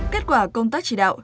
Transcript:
kết quả công tác chỉ đạo